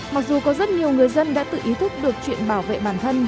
mặc dù có rất nhiều người dân đã tự ý thức được chuyện bảo vệ bản thân